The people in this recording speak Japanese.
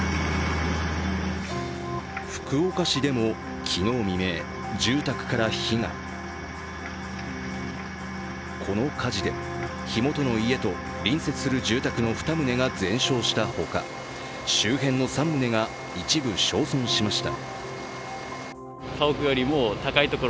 福岡市でも昨日未明、住宅から火がこの火事で火元の家と隣接する住宅の２棟が全焼したほか周辺の３棟が一部焼損しました。